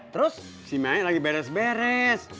terus si main lagi beres beres